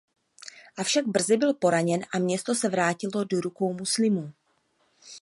Avšak brzy byl poražen a město se vrátilo do rukou muslimů.